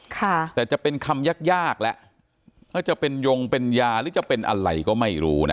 ค่ะแต่จะเป็นคำยากยากแล้วจะเป็นยงเป็นยาหรือจะเป็นอะไรก็ไม่รู้นะ